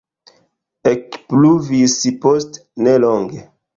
Ekpluvis post nelonge.